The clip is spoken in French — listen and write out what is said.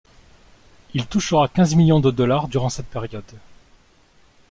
Il touchera quinze millions de dollars durant cette période.